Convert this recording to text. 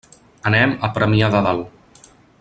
Anem a Premià de Dalt.